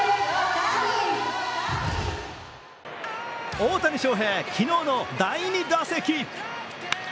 大谷翔平、昨日の第２打席。